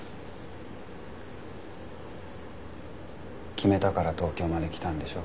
決めたから東京まで来たんでしょ？